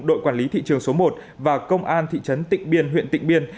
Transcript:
đội quản lý thị trường số một và công an thị trấn tịnh biên huyện tịnh biên